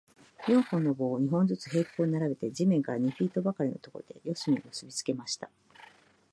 四本の棒を、二本ずつ平行に並べて、地面から二フィートばかりのところで、四隅を結びつけました。